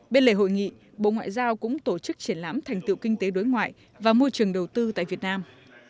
bên lề hội nghị bộ ngoại giao cũng tổ chức triển lãm thành tựu kinh tế đối ngoại và môi trường đầu tư tại việt nam